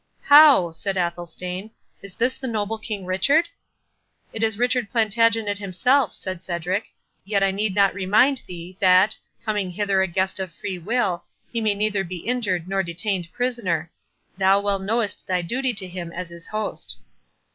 "How!" said Athelstane, "is this the noble King Richard?" "It is Richard Plantagenet himself," said Cedric; "yet I need not remind thee that, coming hither a guest of free will, he may neither be injured nor detained prisoner—thou well knowest thy duty to him as his host."